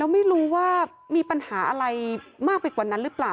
ไม่รู้ว่ามีปัญหาอะไรมากไปกว่านั้นหรือเปล่า